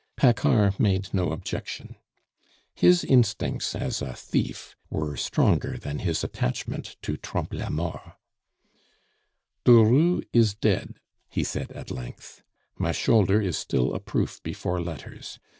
Paccard made no objection. His instincts as a thief were stronger than his attachment to Trompe la Mort. "Durut is dead," he said at length; "my shoulder is still a proof before letters.